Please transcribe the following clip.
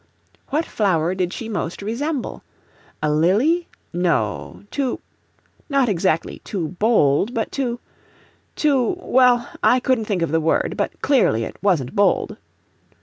What flower did she most resemble? A lily? no; too not exactly too bold, but too too, well, I couldn't think of the word, but clearly it wasn't bold.